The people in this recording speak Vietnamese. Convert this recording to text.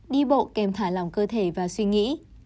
đi bộ kèm thả lòng cơ thể và suy nghĩ